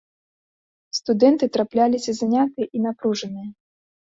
Студэнты трапляліся занятыя і напружаныя.